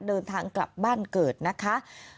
เดินทางกลับบ้านเกิดนะคะ